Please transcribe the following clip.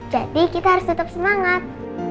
jadi kita harus tetap semangat